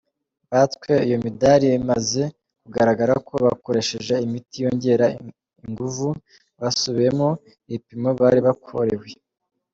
Batswe iyo midari bimaze kugaragara ko bakoresheje imiti yongera inguvu, hasubiwemwo ibipimo bari bakorewe.